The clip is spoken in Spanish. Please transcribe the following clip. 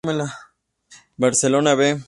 Barcelona "B".